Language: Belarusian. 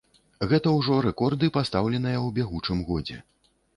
Гэта ўжо рэкорды, пастаўленыя ў бягучым годзе.